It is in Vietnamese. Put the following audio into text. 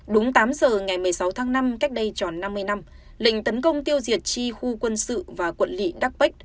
đúng tám giờ ngày một mươi sáu tháng năm cách đây tròn năm mươi năm lệnh tấn công tiêu diệt chi khu quân sự và quận lị đắc p